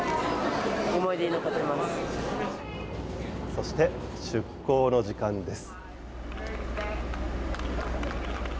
そして、出港の時間です。